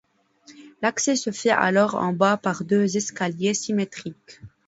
L'accès se fait alors en bas par deux escaliers symétriques.